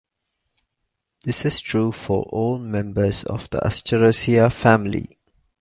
This is true for all members of the Asteraceae family.